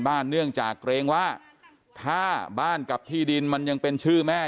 เนื่องจากเกรงว่าถ้าบ้านกับที่ดินมันยังเป็นชื่อแม่